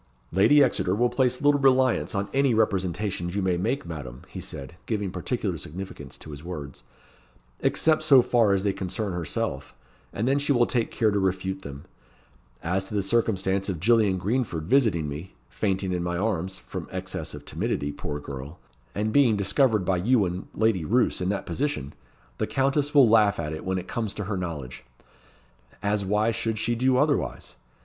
"Lady Exeter will place little reliance on any representations you may make, Madam," he said, giving particular significance to his words, "except so far as they concern herself, and then she will take care to refute them. As to the circumstance of Gillian Greenford visiting me, fainting in my arms (from excess of timidity, poor girl!) and being discovered by you and Lady Roos in that position, the Countess will laugh at it when it comes to her knowledge as why should she do otherwise?